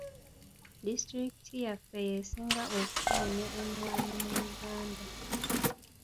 Disitulikiti yaffe y'esinga okufulumya emmwanyi mu Uganda.